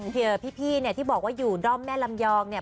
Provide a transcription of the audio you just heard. พี่พี่ที่บอกว่าอยู่ดอมแม่ลำยองเนี่ย